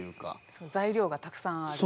そう材料がたくさんある。